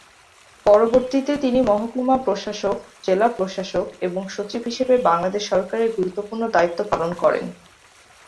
পরবর্তীতে তিনি মহকুমা প্রশাসক, জেলা প্রশাসক এবং সচিব হিসেবে বাংলাদেশ সরকারের গুরুত্বপূর্ণ দায়িত্ব পালন করেন।